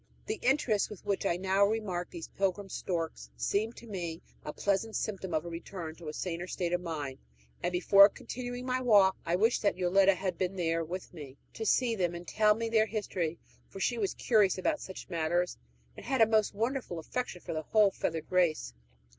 The interest with which I now remarked these pilgrim storks seemed to me a pleasant symptom of a return to a saner state of mind, and before continuing my walk I wished that Yoletta had been there with me to see them and tell me their history; for she was curious about such matters, and had a most wonderful affection for the whole feathered race.